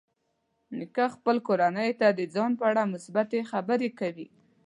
نیکه خپل کورنۍ ته د ځان په اړه مثبتې خبرې کوي.